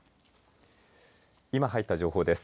今入った情報です。